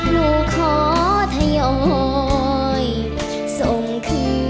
ลูกขอถยอยส่งคืน